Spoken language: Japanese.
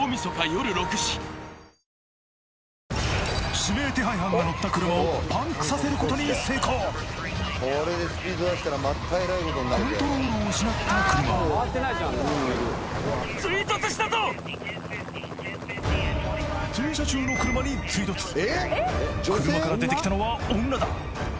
指名手配犯の乗った車をパンクさせることに成功コントロールを失った車は停車中の車に追突車から出てきたのは女だ！